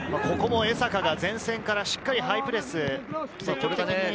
ここも江坂が前線からしっかりハイプレス。